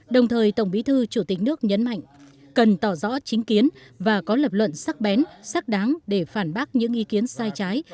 đồng thời tổng bí thư chủ tịch nước nhấn mạnh cần tỏ rõ chính kiến và có lập luận sắc bén sắc đáng để phản bác những ý kiến sai trái